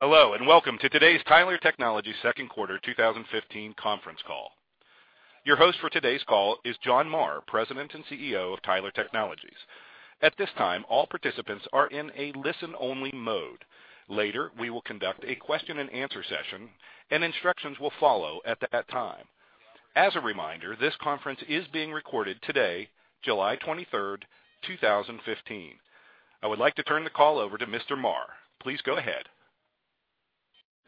Hello, welcome to today's Tyler Technologies second quarter 2015 conference call. Your host for today's call is John Marr, President and CEO of Tyler Technologies. At this time, all participants are in a listen-only mode. Later, we will conduct a question and answer session, instructions will follow at that time. As a reminder, this conference is being recorded today, July 23rd, 2015. I would like to turn the call over to Mr. Marr. Please go ahead.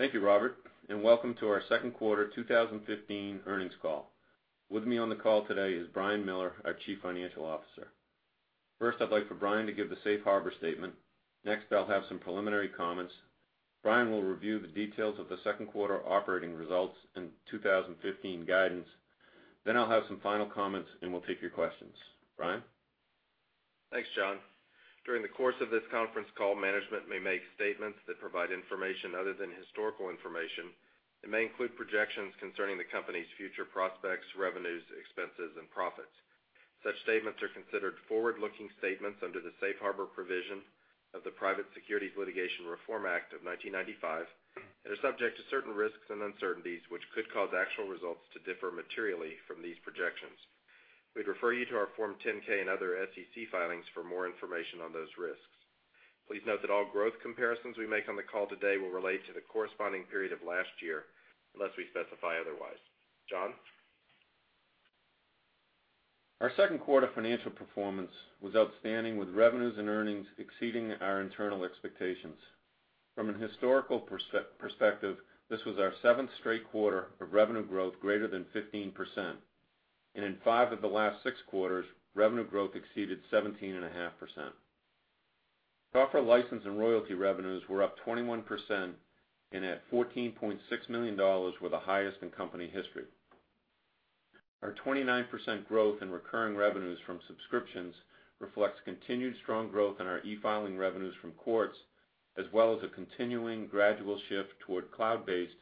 Thank you, Robert, welcome to our second quarter 2015 earnings call. With me on the call today is Brian Miller, our Chief Financial Officer. First, I'd like for Brian to give the safe harbor statement. Next, I'll have some preliminary comments. Brian will review the details of the second quarter operating results and 2015 guidance. Then I'll have some final comments, we'll take your questions. Brian? Thanks, John. During the course of this conference call, management may make statements that provide information other than historical information and may include projections concerning the company's future prospects, revenues, expenses, and profits. Such statements are considered forward-looking statements under the safe harbor provision of the Private Securities Litigation Reform Act of 1995 and are subject to certain risks and uncertainties which could cause actual results to differ materially from these projections. We'd refer you to our Form 10-K and other SEC filings for more information on those risks. Please note that all growth comparisons we make on the call today will relate to the corresponding period of last year, unless we specify otherwise. John? Our second quarter financial performance was outstanding, with revenues and earnings exceeding our internal expectations. From a historical perspective, this was our seventh straight quarter of revenue growth greater than 15%. In five of the last six quarters, revenue growth exceeded 17.5%. Software license and royalty revenues were up 21% and at $14.6 million were the highest in company history. Our 29% growth in recurring revenues from subscriptions reflects continued strong growth in our e-filing revenues from courts, as well as a continuing gradual shift toward cloud-based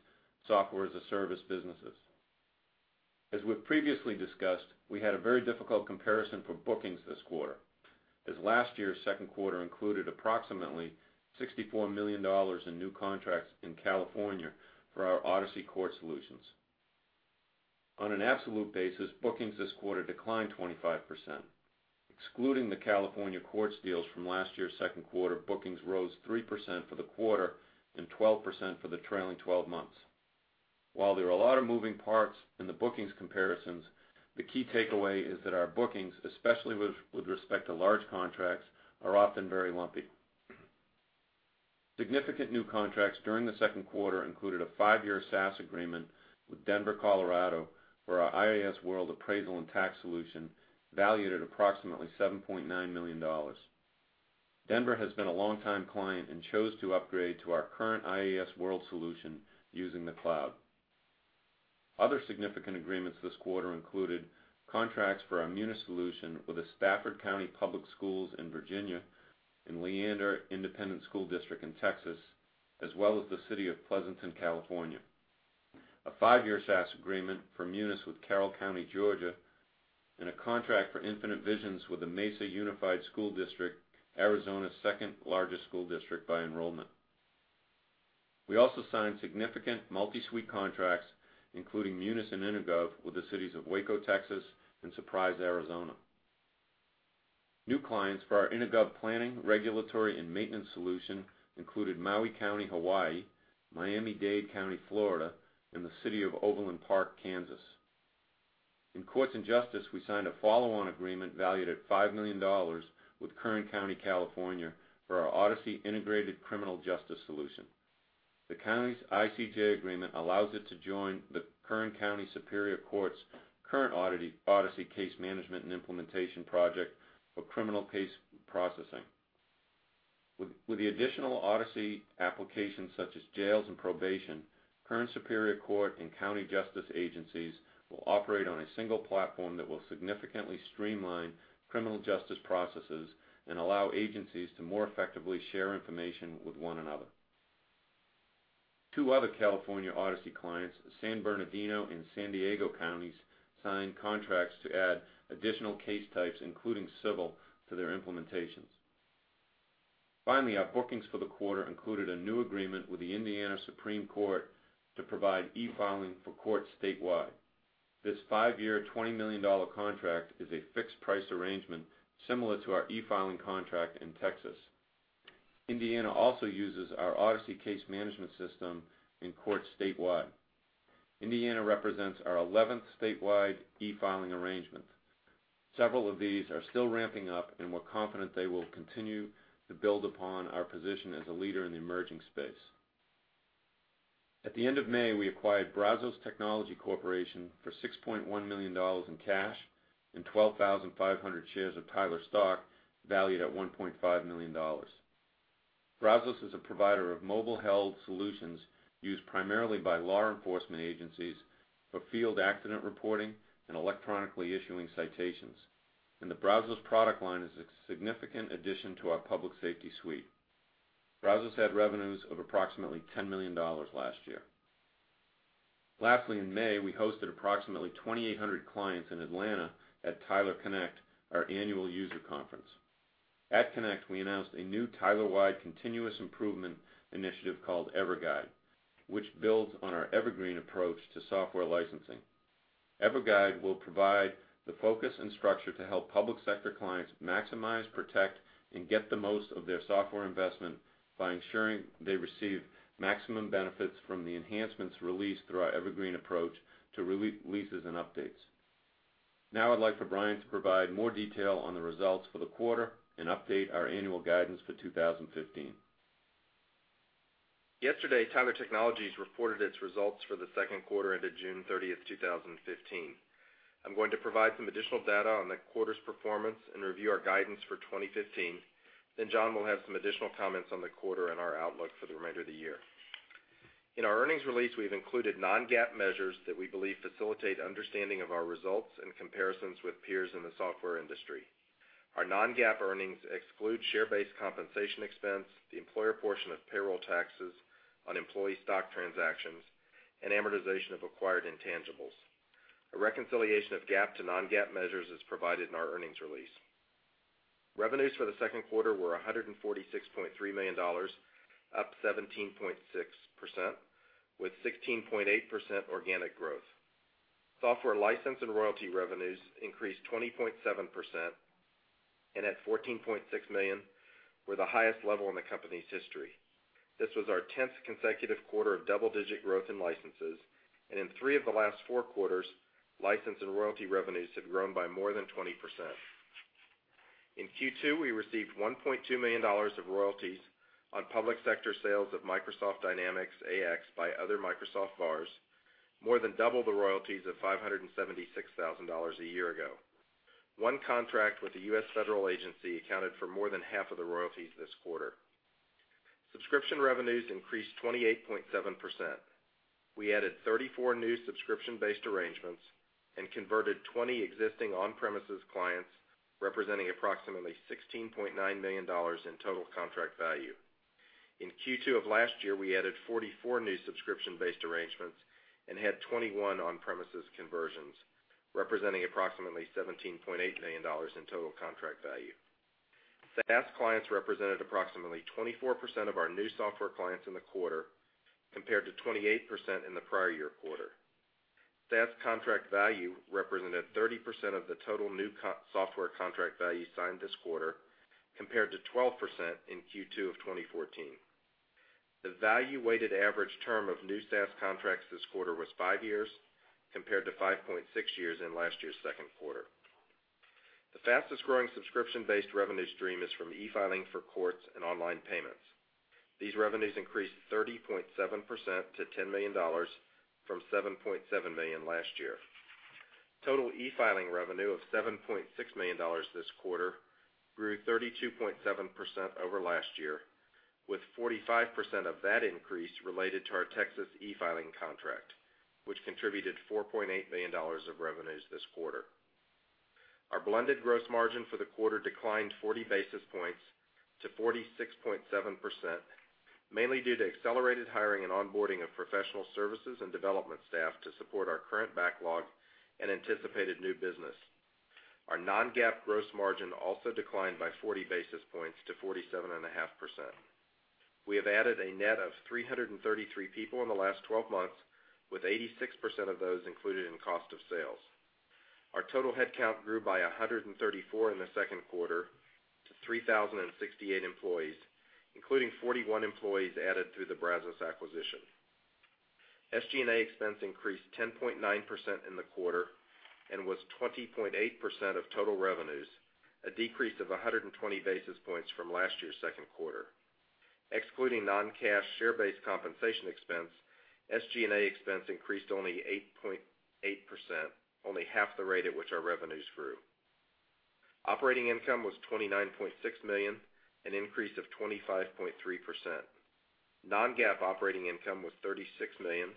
software as a service businesses. As we've previously discussed, we had a very difficult comparison for bookings this quarter, as last year's second quarter included approximately $64 million in new contracts in California for our Odyssey Court solutions. On an absolute basis, bookings this quarter declined 25%. Excluding the California courts deals from last year's second quarter, bookings rose 3% for the quarter and 12% for the trailing 12 months. While there are a lot of moving parts in the bookings comparisons, the key takeaway is that our bookings, especially with respect to large contracts, are often very lumpy. Significant new contracts during the second quarter included a five-year SaaS agreement with Denver, Colorado, for our iasWorld appraisal and tax solution, valued at approximately $7.9 million. Denver has been a long-time client and chose to upgrade to our current iasWorld solution using the cloud. Other significant agreements this quarter included contracts for our MUNIS solution with the Stafford County Public Schools in Virginia and Leander Independent School District in Texas, as well as the city of Pleasanton, California, a five-year SaaS agreement for MUNIS with Carroll County, Georgia, and a contract for Infinite Visions with the Mesa Unified School District, Arizona's second-largest school district by enrollment. We also signed significant multi-suite contracts, including MUNIS and EnerGov, with the cities of Waco, Texas, and Surprise, Arizona. New clients for our EnerGov planning, regulatory, and maintenance solution included Maui County, Hawaii, Miami-Dade County, Florida, and the city of Overland Park, Kansas. In Courts and Justice, we signed a follow-on agreement valued at $5 million with Kern County, California, for our Odyssey Integrated Criminal Justice solution. The county's ICJ agreement allows it to join the Kern County Superior Court's current Odyssey Case Management and implementation project for criminal case processing. With the additional Odyssey applications, such as jails and probation, Kern Superior Court and county justice agencies will operate on a single platform that will significantly streamline criminal justice processes and allow agencies to more effectively share information with one another. Two other California Odyssey clients, San Bernardino and San Diego Counties, signed contracts to add additional case types, including civil, to their implementations. Finally, our bookings for the quarter included a new agreement with the Indiana Supreme Court to provide e-filing for courts statewide. This five-year, $20 million contract is a fixed-price arrangement similar to our e-filing contract in Texas. Indiana also uses our Odyssey case management system in courts statewide. Indiana represents our 11th statewide e-filing arrangement. Several of these are still ramping up, and we're confident they will continue to build upon our position as a leader in the emerging space. At the end of May, we acquired Brazos Technology Corporation for $6.1 million in cash and 12,500 shares of Tyler stock valued at $1.5 million. Brazos is a provider of mobile held solutions used primarily by law enforcement agencies for field accident reporting and electronically issuing citations, and the Brazos product line is a significant addition to our public safety suite. Brazos had revenues of approximately $10 million last year. Lastly, in May, we hosted approximately 2,800 clients in Atlanta at Tyler Connect, our annual user conference. At Connect, we announced a new Tyler-wide continuous improvement initiative called EverGuide, which builds on our Evergreen approach to software licensing. EverGuide will provide the focus and structure to help public sector clients maximize, protect, and get the most of their software investment by ensuring they receive maximum benefits from the enhancements released through our Evergreen approach to releases and updates. I'd like for Brian to provide more detail on the results for the quarter and update our annual guidance for 2015. Yesterday, Tyler Technologies reported its results for the second quarter ended June 30th, 2015. I'm going to provide some additional data on the quarter's performance and review our guidance for 2015. John will have some additional comments on the quarter and our outlook for the remainder of the year. In our earnings release, we've included non-GAAP measures that we believe facilitate understanding of our results and comparisons with peers in the software industry. Our non-GAAP earnings exclude share-based compensation expense, the employer portion of payroll taxes on employee stock transactions, and amortization of acquired intangibles. A reconciliation of GAAP to non-GAAP measures is provided in our earnings release. Revenues for the second quarter were $146.3 million, up 17.6%, with 16.8% organic growth. Software license and royalty revenues increased 20.7%, and at $14.6 million were the highest level in the company's history. This was our 10th consecutive quarter of double-digit growth in licenses, and in three of the last four quarters, license and royalty revenues have grown by more than 20%. In Q2, we received $1.2 million of royalties on public sector sales of Microsoft Dynamics AX by other Microsoft VARs, more than double the royalties of $576,000 a year ago. One contract with a U.S. federal agency accounted for more than half of the royalties this quarter. Subscription revenues increased 28.7%. We added 34 new subscription-based arrangements and converted 20 existing on-premises clients, representing approximately $16.9 million in total contract value. In Q2 of last year, we added 44 new subscription-based arrangements and had 21 on-premises conversions, representing approximately $17.8 million in total contract value. SaaS clients represented approximately 24% of our new software clients in the quarter, compared to 28% in the prior year quarter. SaaS contract value represented 30% of the total new software contract value signed this quarter, compared to 12% in Q2 of 2014. The value-weighted average term of new SaaS contracts this quarter was five years, compared to 5.6 years in last year's second quarter. The fastest-growing subscription-based revenue stream is from e-filing for courts and online payments. These revenues increased 30.7% to $10 million from $7.7 million last year. Total e-filing revenue of $7.6 million this quarter grew 32.7% over last year, with 45% of that increase related to our Texas e-filing contract, which contributed $4.8 million of revenues this quarter. Our blended gross margin for the quarter declined 40 basis points to 46.7%, mainly due to accelerated hiring and onboarding of professional services and development staff to support our current backlog and anticipated new business. Our non-GAAP gross margin also declined by 40 basis points to 47.5%. We have added a net of 333 people in the last 12 months, with 86% of those included in cost of sales. Our total headcount grew by 134 in the second quarter to 3,068 employees, including 41 employees added through the Brazos acquisition. SG&A expense increased 10.9% in the quarter and was 20.8% of total revenues, a decrease of 120 basis points from last year's second quarter. Excluding non-cash share-based compensation expense, SG&A expense increased only 8.8%, only half the rate at which our revenues grew. Operating income was $29.6 million, an increase of 25.3%. Non-GAAP operating income was $36 million,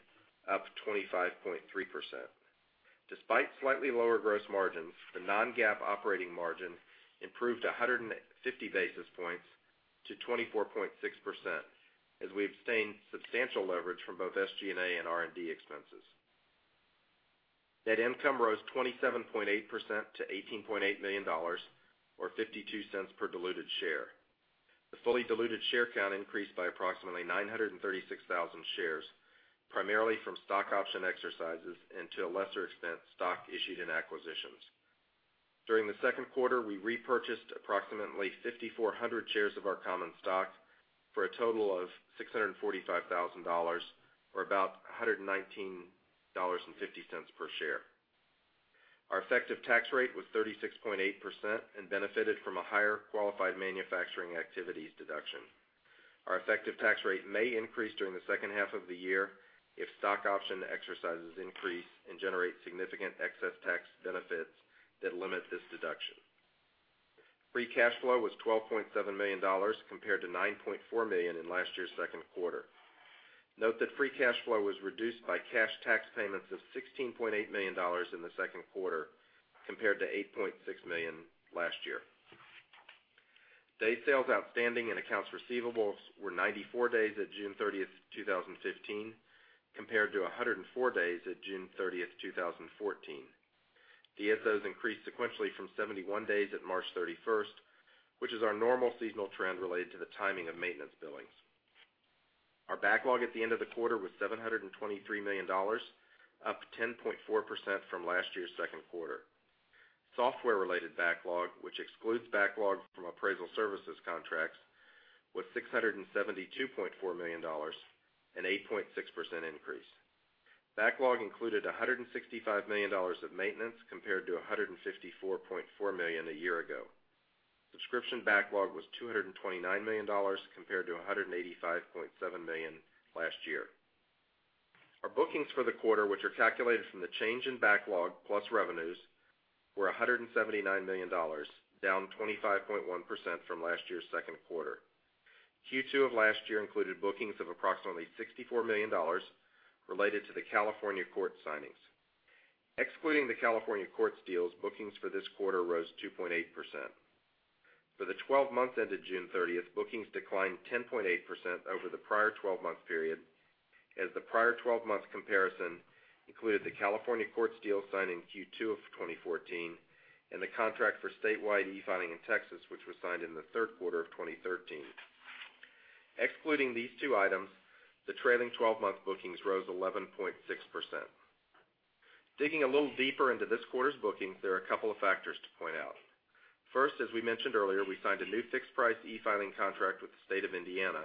up 25.3%. Despite slightly lower gross margins, the non-GAAP operating margin improved 150 basis points to 24.6%, as we obtained substantial leverage from both SG&A and R&D expenses. Net income rose 27.8% to $18.8 million, or $0.52 per diluted share. The fully diluted share count increased by approximately 936,000 shares, primarily from stock option exercises and, to a lesser extent, stock issued in acquisitions. During the second quarter, we repurchased approximately 5,400 shares of our common stock for a total of $645,000, or about $119.50 per share. Our effective tax rate was 36.8% and benefited from a higher qualified manufacturing activities deduction. Our effective tax rate may increase during the second half of the year if stock option exercises increase and generate significant excess tax benefits that limit this deduction. Free cash flow was $12.7 million, compared to $9.4 million in last year's second quarter. Note that free cash flow was reduced by cash tax payments of $16.8 million in the second quarter, compared to $8.6 million last year. Days Sales Outstanding and accounts receivable were 94 days at June 30th, 2015, compared to 104 days at June 30th, 2014. DSOs increased sequentially from 71 days at March 31st, which is our normal seasonal trend related to the timing of maintenance billings. Our backlog at the end of the quarter was $723 million, up 10.4% from last year's second quarter. Software-related backlog, which excludes backlog from appraisal services contracts, was $672.4 million, an 8.6% increase. Backlog included $165 million of maintenance compared to $154.4 million a year ago. Subscription backlog was $229 million compared to $185.7 million last year. Our bookings for the quarter, which are calculated from the change in backlog plus revenues, were $179 million, down 25.1% from last year's second quarter. Q2 of last year included bookings of approximately $64 million related to the California court signings. Excluding the California courts deals, bookings for this quarter rose 2.8%. For the 12 months ended June 30th, bookings declined 10.8% over the prior 12-month period, as the prior 12-month comparison included the California courts deal signed in Q2 of 2014 and the contract for statewide e-filing in Texas, which was signed in the third quarter of 2013. Excluding these two items, the trailing 12-month bookings rose 11.6%. Digging a little deeper into this quarter's bookings, there are a couple of factors to point out. First, as we mentioned earlier, we signed a new fixed price e-filing contract with the state of Indiana,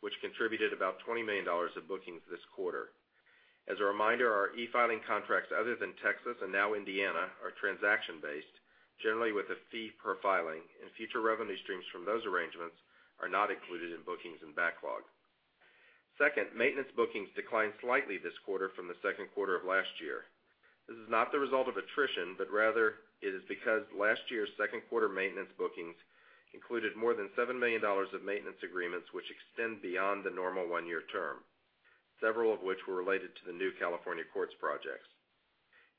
which contributed about $20 million of bookings this quarter. As a reminder, our e-filing contracts other than Texas and now Indiana are transaction-based, generally with a fee per filing, and future revenue streams from those arrangements are not included in bookings and backlog. Second, maintenance bookings declined slightly this quarter from the second quarter of last year. This is not the result of attrition, but rather it is because last year's second-quarter maintenance bookings included more than $7 million of maintenance agreements which extend beyond the normal one-year term, several of which were related to the new California courts projects.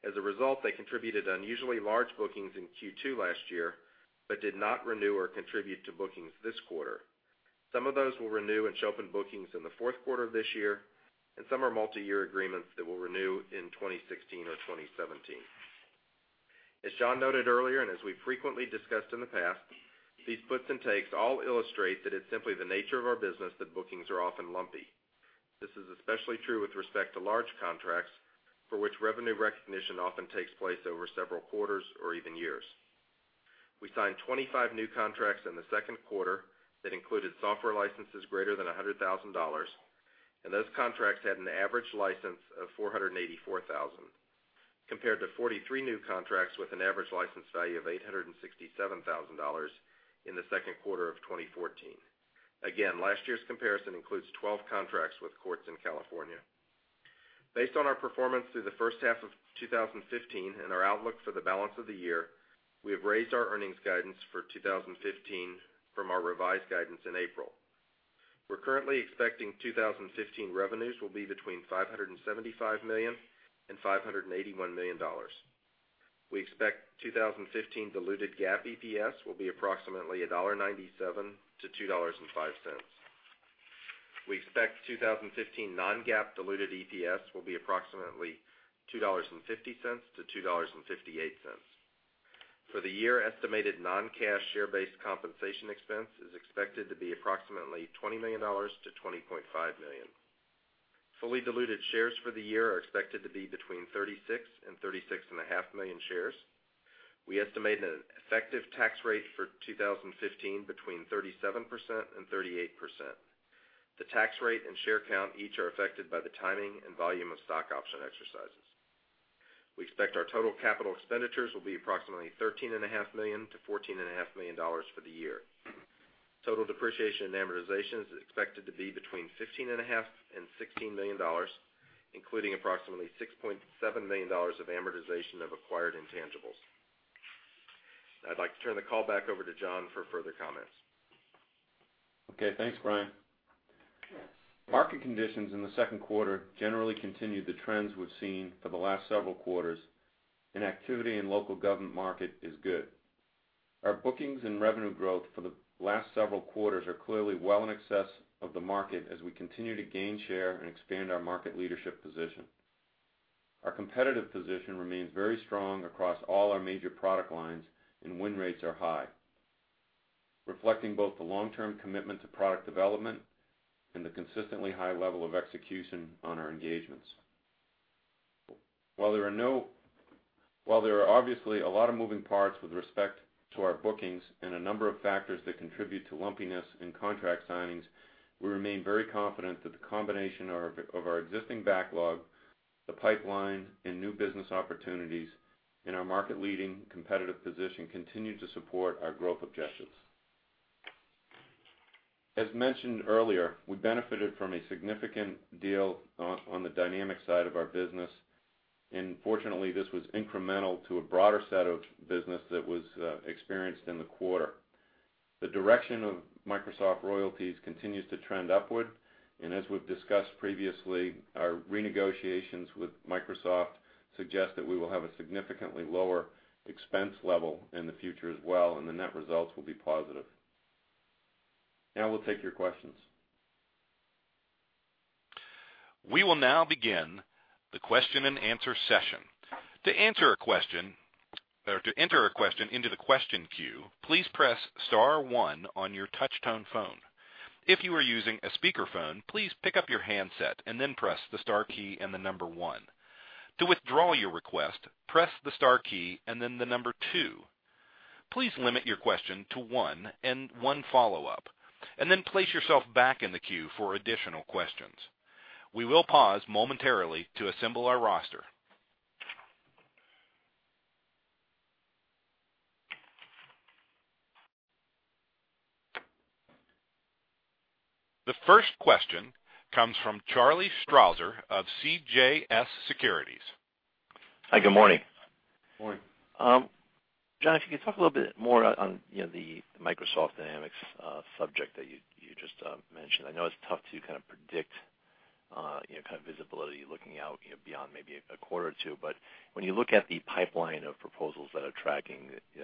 As a result, they contributed unusually large bookings in Q2 last year, but did not renew or contribute to bookings this quarter. Some of those will renew and show up in bookings in the fourth quarter of this year, and some are multi-year agreements that will renew in 2016 or 2017. As John noted earlier, and as we've frequently discussed in the past, these puts and takes all illustrate that it's simply the nature of our business that bookings are often lumpy. This is especially true with respect to large contracts, for which revenue recognition often takes place over several quarters or even years. We signed 25 new contracts in the second quarter that included software licenses greater than $100,000, and those contracts had an average license of $484,000, compared to 43 new contracts with an average license value of $867,000 in the second quarter of 2014. Again, last year's comparison includes 12 contracts with courts in California. Based on our performance through the first half of 2015 and our outlook for the balance of the year, we have raised our earnings guidance for 2015 from our revised guidance in April. We're currently expecting 2015 revenues will be between $575 million-$581 million. We expect 2015 diluted GAAP EPS will be approximately $1.97-$2.05. We expect 2015 non-GAAP diluted EPS will be approximately $2.50-$2.58. For the year, estimated non-cash share-based compensation expense is expected to be approximately $20 million-$20.5 million. Fully diluted shares for the year are expected to be between 36 million-36.5 million shares. We estimate an effective tax rate for 2015 between 37%-38%. The tax rate and share count each are affected by the timing and volume of stock option exercises. We expect our total capital expenditures will be approximately $13.5 million-$14.5 million for the year. Total depreciation and amortization is expected to be between $15.5 million-$16 million, including approximately $6.7 million of amortization of acquired intangibles. I'd like to turn the call back over to John for further comments. Okay, thanks, Brian. Market conditions in the second quarter generally continued the trends we've seen for the last several quarters, and activity in local government market is good. Our bookings and revenue growth for the last several quarters are clearly well in excess of the market as we continue to gain share and expand our market leadership position. Our competitive position remains very strong across all our major product lines, and win rates are high, reflecting both the long-term commitment to product development and the consistently high level of execution on our engagements. While there are obviously a lot of moving parts with respect to our bookings and a number of factors that contribute to lumpiness in contract signings, we remain very confident that the combination of our existing backlog, the pipeline, and new business opportunities and our market-leading competitive position continue to support our growth objectives. As mentioned earlier, we benefited from a significant deal on the Dynamics side of our business, and fortunately, this was incremental to a broader set of business that was experienced in the quarter. The direction of Microsoft royalties continues to trend upward. As we've discussed previously, our renegotiations with Microsoft suggest that we will have a significantly lower expense level in the future as well, and the net results will be positive. Now we'll take your questions. We will now begin the question and answer session. To enter a question into the question queue, please press star one on your touch-tone phone. If you are using a speakerphone, please pick up your handset and then press the star key and the number one. To withdraw your request, press the star key and then the number two. Please limit your question to one and one follow-up, and then place yourself back in the queue for additional questions. We will pause momentarily to assemble our roster. The first question comes from Charlie Strauzer of CJS Securities. Hi, good morning. Morning. John, if you could talk a little bit more on the Microsoft Dynamics subject that you just mentioned. I know it's tough to predict visibility looking out beyond maybe a quarter or two, but when you look at the pipeline of proposals that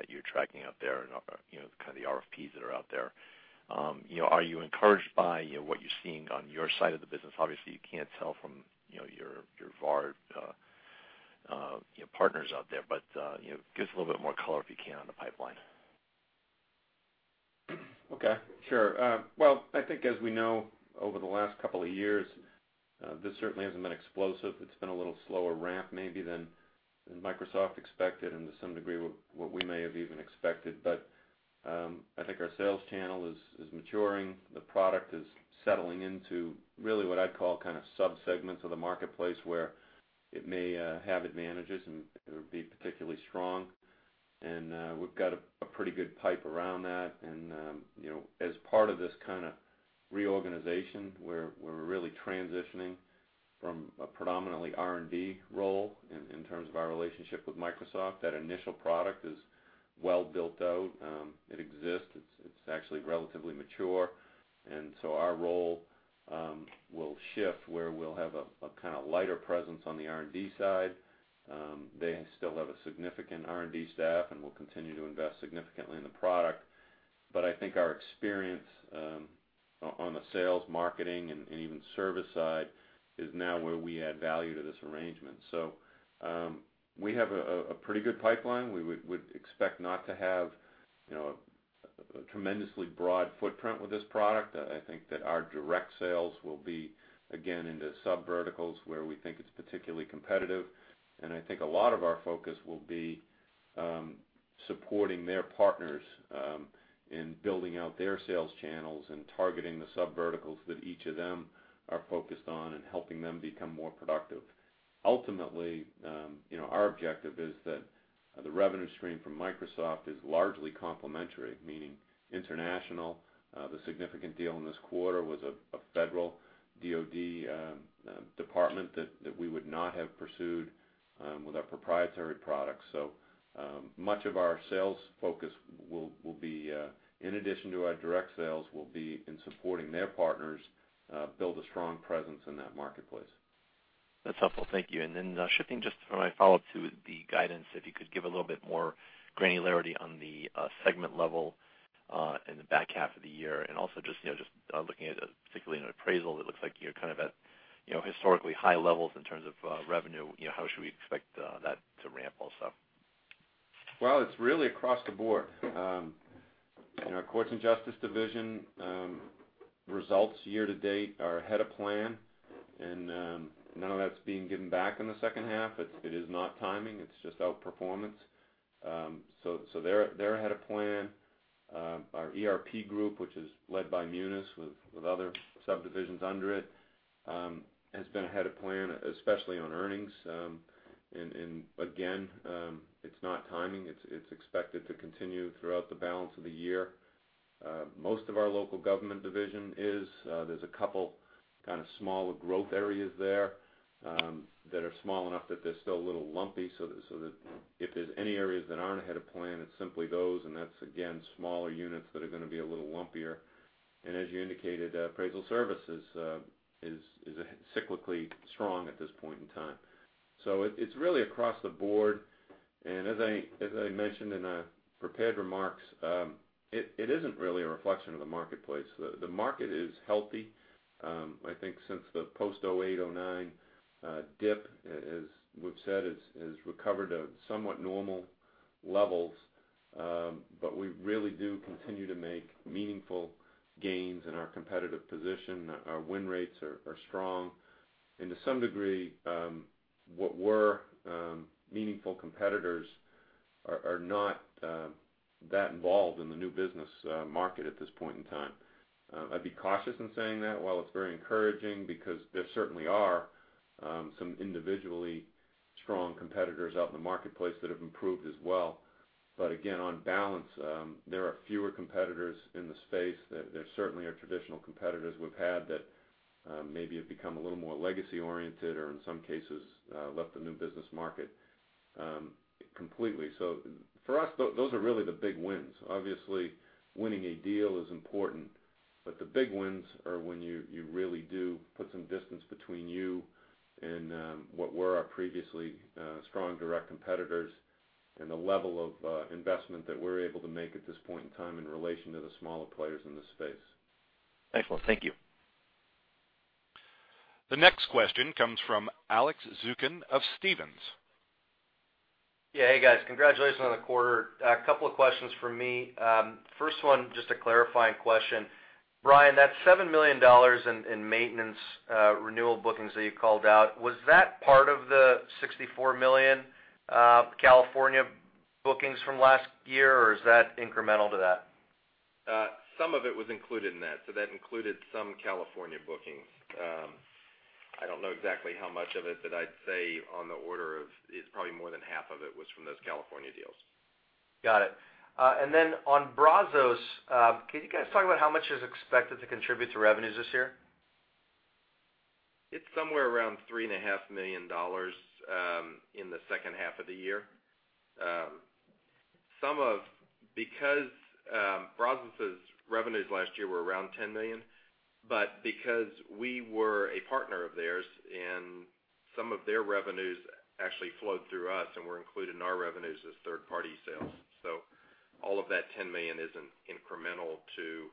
you're tracking out there and the RFPs that are out there, are you encouraged by what you're seeing on your side of the business? Obviously, you can't tell from your VAR partners out there, but give us a little bit more color, if you can, on the pipeline. Okay. Sure. Well, I think as we know, over the last couple of years, this certainly hasn't been explosive. It's been a little slower ramp maybe than Microsoft expected, and to some degree, what we may have even expected. I think our sales channel is maturing. The product is settling into really what I'd call subsegments of the marketplace, where it may have advantages, and it would be particularly strong. We've got a pretty good pipe around that. As part of this reorganization where we're really transitioning from a predominantly R&D role in terms of our relationship with Microsoft, that initial product is well built out. It exists. It's actually relatively mature. Our role will shift, where we'll have a lighter presence on the R&D side. They still have a significant R&D staff and will continue to invest significantly in the product. I think our experience on the sales, marketing, and even service side is now where we add value to this arrangement. We have a pretty good pipeline. We would expect not to have a tremendously broad footprint with this product. I think that our direct sales will be again into subverticals where we think it's particularly competitive. I think a lot of our focus will be supporting their partners in building out their sales channels and targeting the subverticals that each of them are focused on and helping them become more productive. Ultimately, our objective is that the revenue stream from Microsoft is largely complementary, meaning international. The significant deal in this quarter was a federal DOD department that we would not have pursued with our proprietary products. Much of our sales focus will be, in addition to our direct sales, will be in supporting their partners build a strong presence in that marketplace. That's helpful. Thank you. Shifting just for my follow-up to the guidance, if you could give a little bit more granularity on the segment level in the back half of the year. Also just looking at, particularly in appraisal, it looks like you're at historically high levels in terms of revenue. How should we expect that to ramp also? Well, it's really across the board. In our courts and justice division, results year to date are ahead of plan. None of that's being given back in the second half. It is not timing. It's just outperformance. They're ahead of plan. Our ERP group, which is led by MUNIS with other subdivisions under it, has been ahead of plan, especially on earnings. Again, it's not timing. It's expected to continue throughout the balance of the year. Most of our local government division is. There's a couple smaller growth areas there that are small enough that they're still a little lumpy, so that if there's any areas that aren't ahead of plan, it's simply those, and that's again, smaller units that are going to be a little lumpier. As you indicated, appraisal services is cyclically strong at this point in time. It's really across the board, and as I mentioned in our prepared remarks, it isn't really a reflection of the marketplace. The market is healthy. I think since the post 2008, 2009 dip, as we've said, has recovered at somewhat normal levels. We really do continue to make meaningful gains in our competitive position. Our win rates are strong. To some degree, what were meaningful competitors are not that involved in the new business market at this point in time. I'd be cautious in saying that while it's very encouraging, because there certainly are some individually strong competitors out in the marketplace that have improved as well. Again, on balance, there are fewer competitors in the space. There certainly are traditional competitors we've had that Maybe have become a little more legacy-oriented, or in some cases, left the new business market completely. For us, those are really the big wins. Obviously, winning a deal is important, but the big wins are when you really do put some distance between you and what were our previously strong direct competitors, and the level of investment that we're able to make at this point in time in relation to the smaller players in the space. Excellent. Thank you. The next question comes from Alex Zukin of Stephens. Yeah. Hey, guys. Congratulations on the quarter. A couple of questions from me. First one, just a clarifying question. Brian, that $7 million in maintenance renewal bookings that you called out, was that part of the $64 million California bookings from last year, or is that incremental to that? Some of it was included in that. That included some California bookings. I don't know exactly how much of it, but I'd say on the order of, it's probably more than half of it was from those California deals. Got it. On Brazos, can you guys talk about how much is expected to contribute to revenues this year? It's somewhere around $3.5 million in the second half of the year. Brazos' revenues last year were around $10 million, but because we were a partner of theirs and some of their revenues actually flowed through us and were included in our revenues as third-party sales. All of that $10 million isn't incremental to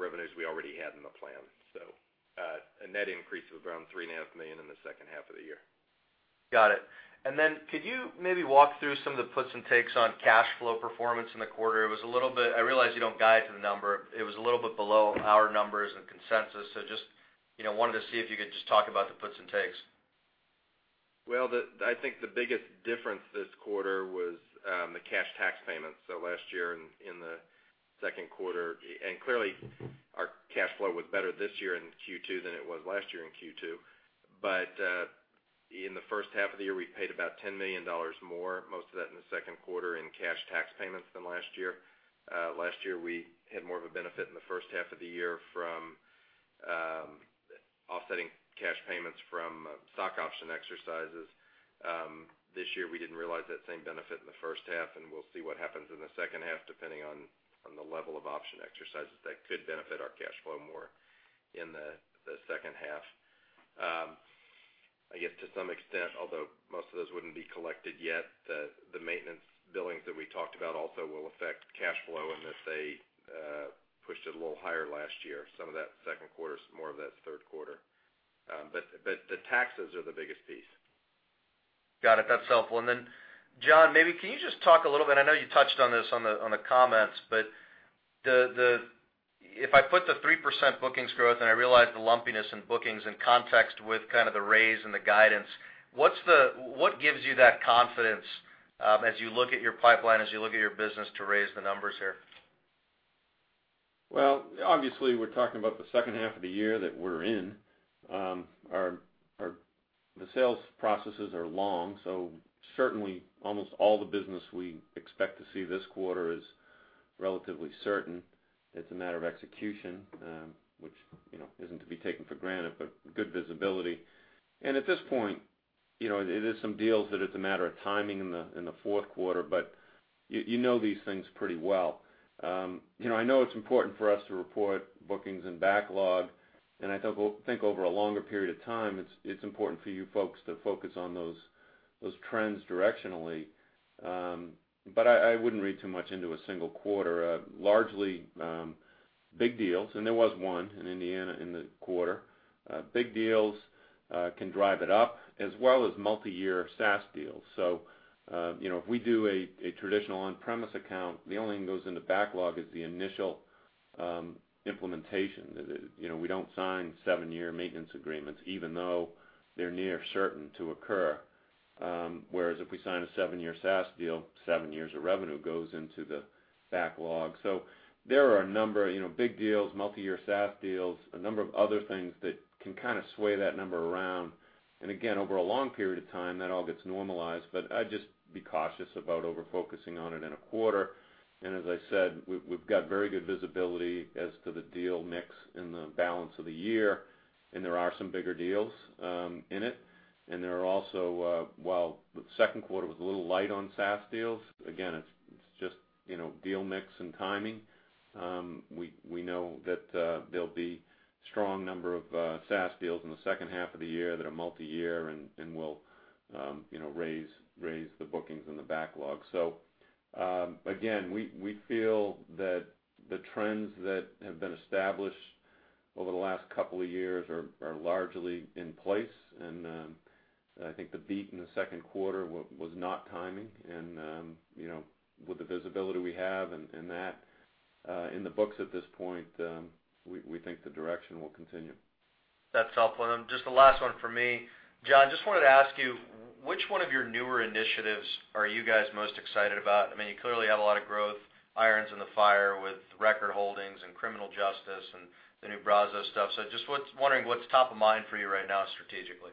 revenues we already had in the plan. A net increase of around $3.5 million in the second half of the year. Got it. Could you maybe walk through some of the puts and takes on cash flow performance in the quarter? I realize you don't guide to the number. It was a little bit below our numbers and consensus. Just wanted to see if you could just talk about the puts and takes. Well, I think the biggest difference this quarter was the cash tax payments. Last year in the second quarter, and clearly our cash flow was better this year in Q2 than it was last year in Q2. In the first half of the year, we paid about $10 million more, most of that in the second quarter in cash tax payments than last year. Last year, we had more of a benefit in the first half of the year from offsetting cash payments from stock option exercises. This year, we didn't realize that same benefit in the first half, and we'll see what happens in the second half, depending on the level of option exercises that could benefit our cash flow more in the second half. I guess to some extent, although most of those wouldn't be collected yet, the maintenance billings that we talked about also will affect cash flow in that they pushed it a little higher last year. Some of that second quarter, some more of that third quarter. The taxes are the biggest piece. Got it. That's helpful. John, maybe can you just talk a little bit, I know you touched on this on the comments, but if I put the 3% bookings growth and I realize the lumpiness in bookings in context with kind of the raise and the guidance, what gives you that confidence as you look at your pipeline, as you look at your business to raise the numbers here? Well, obviously, we're talking about the second half of the year that we're in. The sales processes are long, certainly almost all the business we expect to see this quarter is relatively certain. It's a matter of execution, which isn't to be taken for granted, but good visibility. At this point, there's some deals that it's a matter of timing in the fourth quarter, but you know these things pretty well. I know it's important for us to report bookings and backlog, and I think over a longer period of time, it's important for you folks to focus on those trends directionally. I wouldn't read too much into a single quarter. Largely, big deals, and there was one in Indiana in the quarter. Big deals can drive it up, as well as multi-year SaaS deals. If we do a traditional on-premise account, the only thing that goes into backlog is the initial implementation. We don't sign seven-year maintenance agreements, even though they're near certain to occur. Whereas if we sign a seven-year SaaS deal, seven years of revenue goes into the backlog. There are a number: big deals, multi-year SaaS deals, a number of other things that can kind of sway that number around. Again, over a long period of time, that all gets normalized, but I'd just be cautious about over-focusing on it in a quarter. As I said, we've got very good visibility as to the deal mix in the balance of the year, and there are some bigger deals in it. There are also, while the second quarter was a little light on SaaS deals, again, it's just deal mix and timing. We know that there'll be strong number of SaaS deals in the second half of the year that are multi-year and will raise the bookings and the backlog. Again, we feel that the trends that have been established over the last couple of years are largely in place, and I think the beat in the second quarter was not timing. With the visibility we have and that in the books at this point, we think the direction will continue. That's helpful. Just the last one from me. John, just wanted to ask you, which one of your newer initiatives are you guys most excited about? I mean, you clearly have a lot of growth irons in the fire with record holdings and criminal justice and the new Brazos stuff. Just wondering what's top of mind for you right now strategically?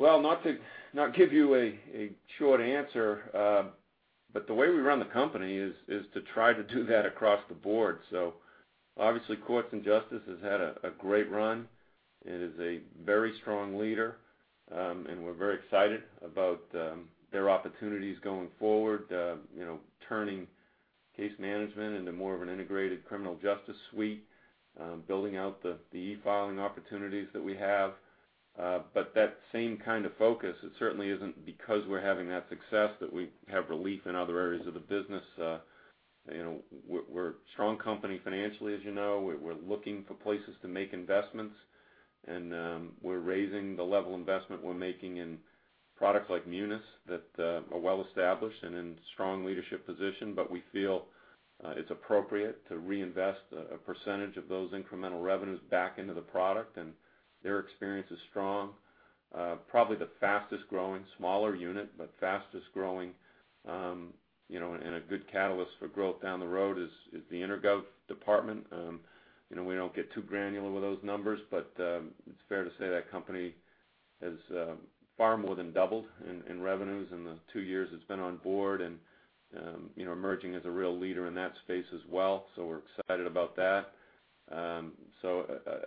Not to give you a short answer, the way we run the company is to try to do that across the board. Obviously, Courts and Justice has had a great run. It is a very strong leader, and we're very excited about their opportunities going forward, turning case management into more of an integrated criminal justice suite, building out the e-filing opportunities that we have. That same kind of focus, it certainly isn't because we're having that success, that we have relief in other areas of the business. We're a strong company financially, as you know. We're looking for places to make investments, and we're raising the level of investment we're making in products like MUNIS that are well-established and in a strong leadership position. We feel it's appropriate to reinvest a percentage of those incremental revenues back into the product, and their experience is strong. Probably the fastest-growing, smaller unit, but fastest-growing, and a good catalyst for growth down the road is the EnerGov department. We don't get too granular with those numbers, it's fair to say that company has far more than doubled in revenues in the two years it's been on board and emerging as a real leader in that space as well, we're excited about that.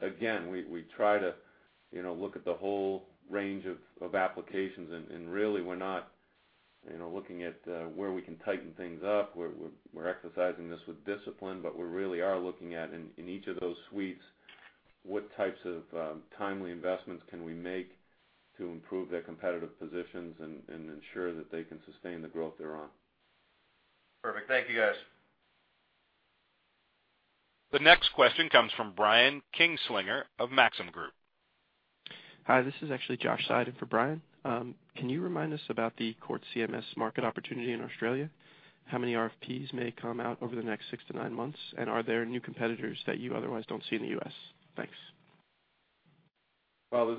Again, we try to look at the whole range of applications, and really, we're not looking at where we can tighten things up. We're exercising this with discipline, we really are looking at, in each of those suites, what types of timely investments can we make to improve their competitive positions and ensure that they can sustain the growth they're on. Perfect. Thank you, guys. The next question comes from Brian Kinstlinger of Maxim Group. Hi, this is actually Josh Seiden for Brian. Can you remind us about the Court CMS market opportunity in Australia? How many RFPs may come out over the next six to nine months, and are there new competitors that you otherwise don't see in the U.S.? Thanks. Well,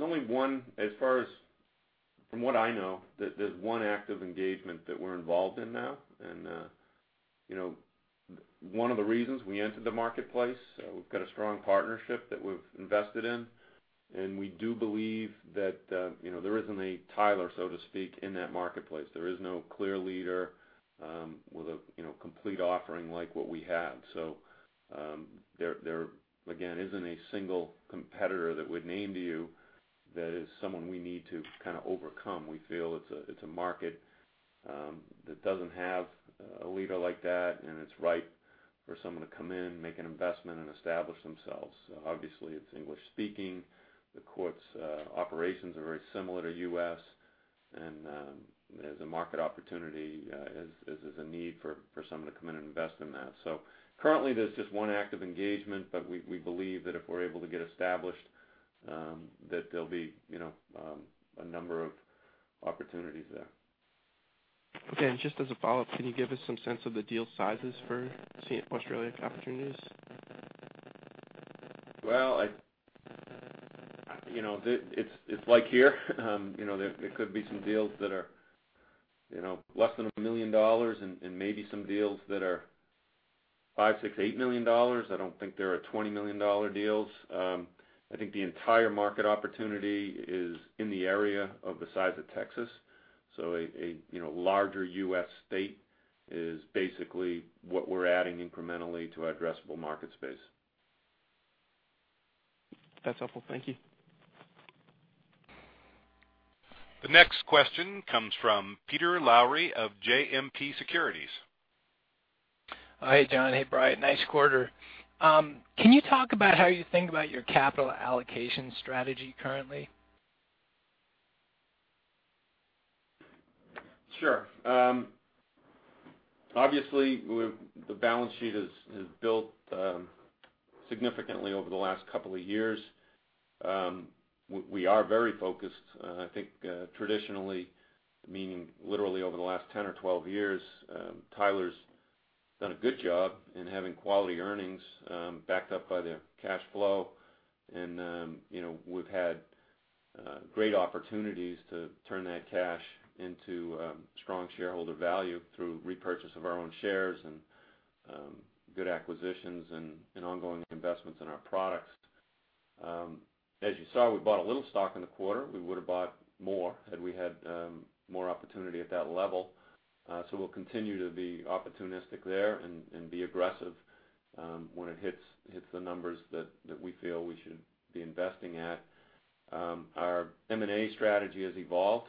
from what I know, there's one active engagement that we're involved in now. One of the reasons we entered the marketplace, we've got a strong partnership that we've invested in, and we do believe that there isn't a Tyler, so to speak, in that marketplace. There is no clear leader with a complete offering like what we have. There, again, isn't a single competitor that we'd name to you that is someone we need to kind of overcome. We feel it's a market that doesn't have a leader like that, and it's right for someone to come in, make an investment, and establish themselves. Obviously, it's English-speaking. The court's operations are very similar to U.S., and there's a market opportunity as there's a need for someone to come in and invest in that. Currently, there's just one active engagement, but we believe that if we're able to get established, there'll be a number of opportunities there. Okay. Just as a follow-up, can you give us some sense of the deal sizes for Australia opportunities? Well, it's like here. There could be some deals that are less than $1 million and maybe some deals that are $5 million, $6 million, $8 million. I don't think there are $20 million deals. I think the entire market opportunity is in the area of the size of Texas. A larger U.S. state is basically what we're adding incrementally to our addressable market space. That's helpful. Thank you. The next question comes from Peter Lowry of JMP Securities. Hey, John. Hey, Brian. Nice quarter. Can you talk about how you think about your capital allocation strategy currently? Sure. Obviously, the balance sheet has built significantly over the last couple of years. We are very focused, and I think traditionally, meaning literally over the last 10 or 12 years, Tyler's done a good job in having quality earnings backed up by the cash flow, and we've had great opportunities to turn that cash into strong shareholder value through repurchase of our own shares and good acquisitions and ongoing investments in our products. As you saw, we bought a little stock in the quarter. We would have bought more had we had more opportunity at that level. We'll continue to be opportunistic there and be aggressive when it hits the numbers that we feel we should be investing at. Our M&A strategy has evolved.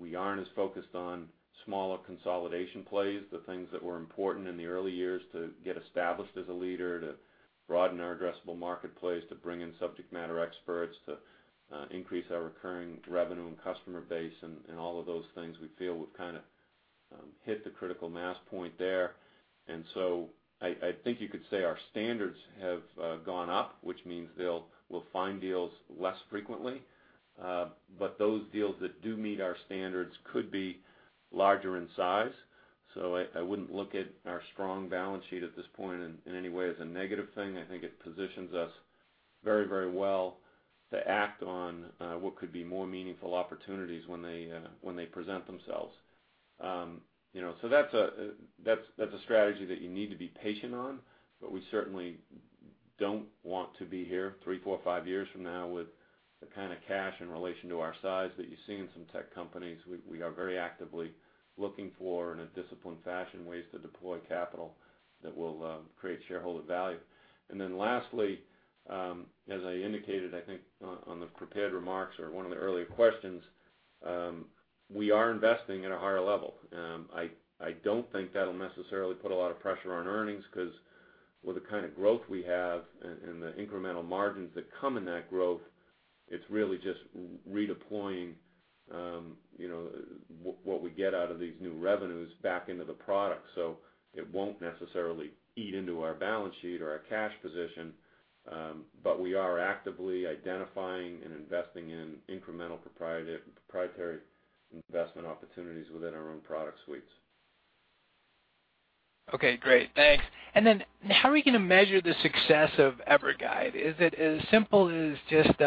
We aren't as focused on smaller consolidation plays, the things that were important in the early years to get established as a leader, to broaden our addressable marketplace, to bring in subject matter experts, to increase our recurring revenue and customer base, and all of those things we feel we've kind of hit the critical mass point there. I think you could say our standards have gone up, which means we'll find deals less frequently. Those deals that do meet our standards could be larger in size. I wouldn't look at our strong balance sheet at this point in any way as a negative thing. I think it positions us very well to act on what could be more meaningful opportunities when they present themselves. That's a strategy that you need to be patient on, but we certainly don't want to be here three, four, five years from now with the kind of cash in relation to our size that you see in some tech companies. We are very actively looking for, in a disciplined fashion, ways to deploy capital that will create shareholder value. Lastly, as I indicated, I think on the prepared remarks or one of the earlier questions, we are investing at a higher level. I don't think that'll necessarily put a lot of pressure on earnings because with the kind of growth we have and the incremental margins that come in that growth, it's really just redeploying what we get out of these new revenues back into the product. It won't necessarily eat into our balance sheet or our cash position. We are actively identifying and investing in incremental proprietary investment opportunities within our own product suites. Okay, great. Thanks. How are we going to measure the success of EverGuide? Is it as simple as just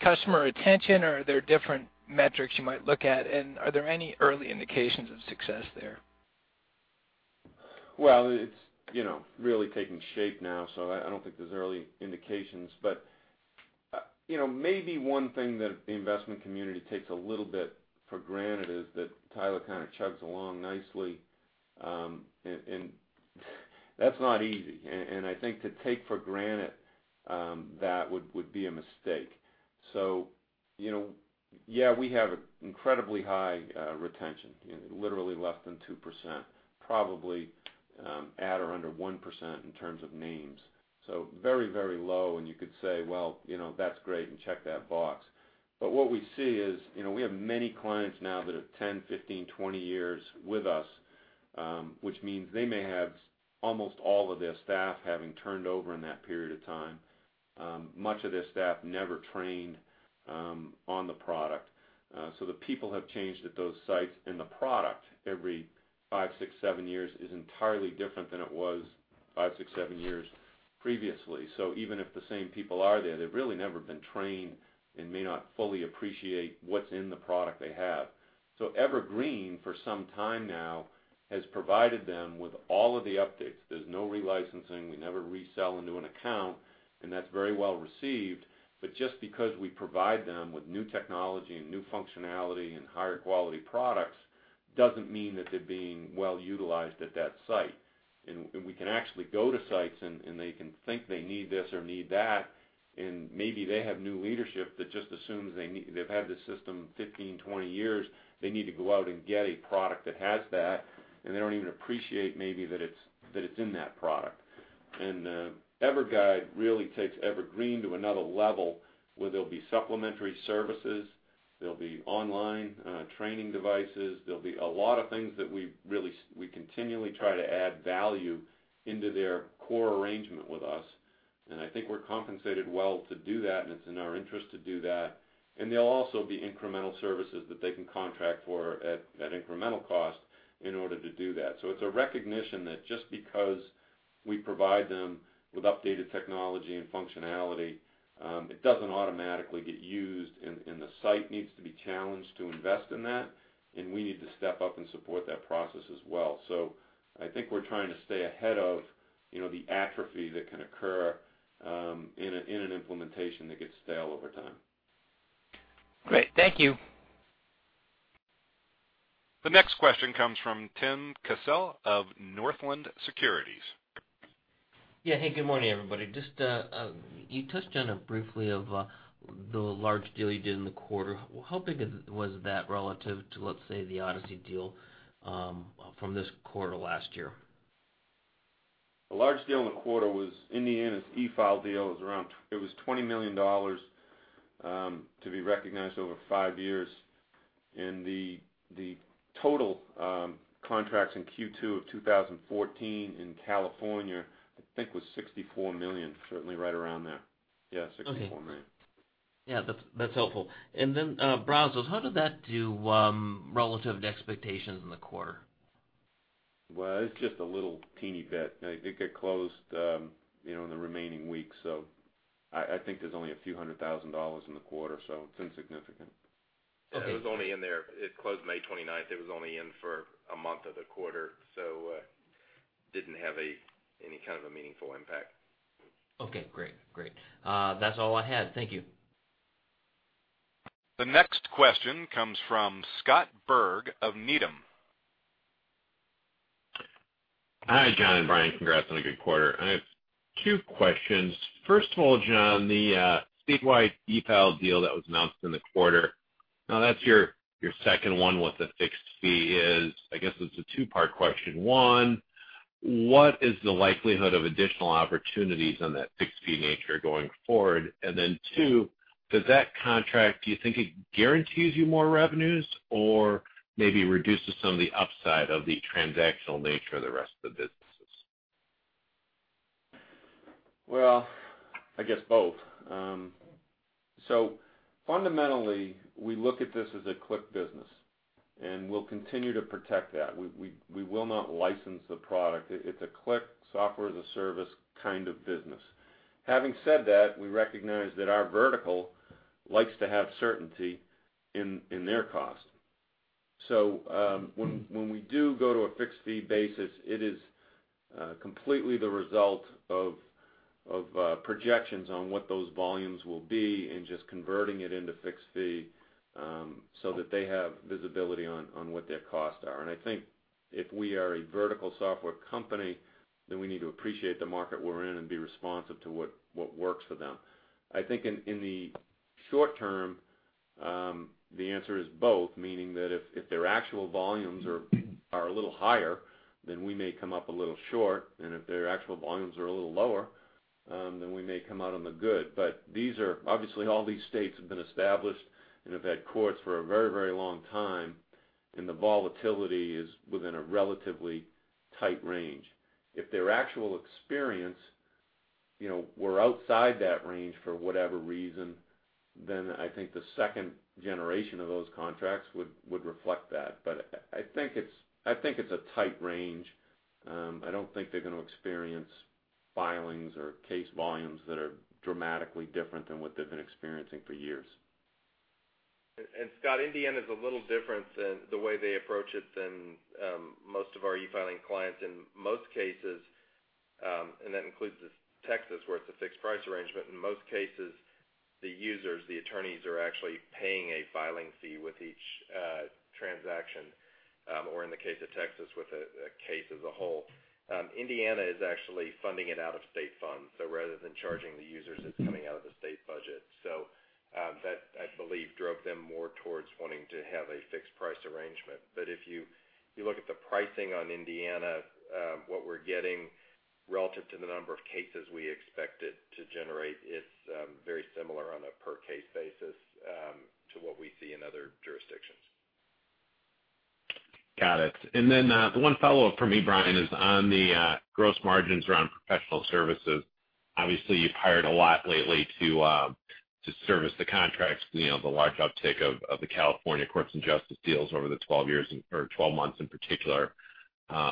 customer retention, or are there different metrics you might look at, and are there any early indications of success there? Well, it's really taking shape now, so I don't think there's early indications, but maybe one thing that the investment community takes a little bit for granted is that Tyler kind of chugs along nicely, and that's not easy. I think to take for granted that would be a mistake. Yeah, we have incredibly high retention, literally less than 2%, probably at or under 1% in terms of names. Very, very low, and you could say, "Well, that's great," and check that box. What we see is we have many clients now that have 10, 15, 20 years with us, which means they may have almost all of their staff having turned over in that period of time. Much of their staff never trained on the product. The people have changed at those sites, and the product every five, six, seven years is entirely different than it was five, six, seven years previously. Even if the same people are there, they've really never been trained and may not fully appreciate what's in the product they have. Evergreen, for some time now, has provided them with all of the updates. There's no re-licensing. We never resell into an account, and that's very well received. Just because we provide them with new technology and new functionality and higher quality products doesn't mean that they're being well-utilized at that site. We can actually go to sites, and they can think they need this or need that, and maybe they have new leadership that just assumes they've had this system 15, 20 years, they need to go out and get a product that has that, and they don't even appreciate maybe that it's in that product. EverGuide really takes Evergreen to another level where there'll be supplementary services, there'll be online training devices, there'll be a lot of things that we continually try to add value into their core arrangement with us, and I think we're compensated well to do that, and it's in our interest to do that. There'll also be incremental services that they can contract for at incremental cost in order to do that. It's a recognition that just because we provide them with updated technology and functionality, it doesn't automatically get used, and the site needs to be challenged to invest in that, and we need to step up and support that process as well. I think we're trying to stay ahead of the atrophy that can occur in an implementation that gets stale over time. Great. Thank you. The next question comes from Tim Cassell of Northland Securities. Yeah. Hey, good morning, everybody. Just you touched on it briefly of the large deal you did in the quarter. How big was that relative to, let's say, the Odyssey deal from this quarter last year? The large deal in the quarter was Indiana's eFile deal. It was $20 million to be recognized over five years. The total contracts in Q2 of 2014 in California, I think, was $64 million, certainly right around there. Yeah, $64 million. Okay. Yeah, that's helpful. Brazos, how did that do relative to expectations in the quarter? It's just a little teeny bit. It could close in the remaining weeks. I think there's only a few hundred thousand dollars in the quarter, it's insignificant. Okay. It was only in there. It closed May 29th. It was only in for a month of the quarter, didn't have any kind of a meaningful impact. Okay, great. That's all I had. Thank you. The next question comes from Scott Berg of Needham. Hi, John and Brian. Congrats on a good quarter. I have two questions. First of all, John, the statewide eFile deal that was announced in the quarter, now that's your second one with the fixed fee is, I guess it's a two-part question. One, what is the likelihood of additional opportunities on that fixed-fee nature going forward? Then two, does that contract, do you think it guarantees you more revenues or maybe reduces some of the upside of the transactional nature of the rest of the businesses? I guess both. Fundamentally, we look at this as a click business, and we'll continue to protect that. We will not license the product. It's a click software as a service kind of business. Having said that, we recognize that our vertical likes to have certainty in their cost. When we do go to a fixed fee basis, it is completely the result of projections on what those volumes will be and just converting it into fixed fee, so that they have visibility on what their costs are. I think if we are a vertical software company, then we need to appreciate the market we're in and be responsive to what works for them. I think in the short term, the answer is both, meaning that if their actual volumes are a little higher, then we may come up a little short, and if their actual volumes are a little lower, then we may come out on the good. Obviously, all these states have been established and have had courts for a very long time, and the volatility is within a relatively tight range. If their actual experience were outside that range for whatever reason, then I think the second generation of those contracts would reflect that. I think it's a tight range. I don't think they're going to experience filings or case volumes that are dramatically different than what they've been experiencing for years. Scott, Indiana's a little different in the way they approach it than most of our e-filing clients in most cases, and that includes Texas, where it's a fixed price arrangement. In most cases, the users, the attorneys, are actually paying a filing fee with each transaction, or in the case of Texas, with a case as a whole. Indiana is actually funding it out of state funds. Rather than charging the users, it's coming out of the state budget. That, I believe, drove them more towards wanting to have a fixed price arrangement. If you look at the pricing on Indiana, what we're getting relative to the number of cases we expected to generate, it's very similar on a per case basis to what we see in other jurisdictions. Got it. The one follow-up from me, Brian, is on the gross margins around professional services. Obviously, you've hired a lot lately to service the contracts, the large uptake of the California courts and justice deals over the 12 months in particular,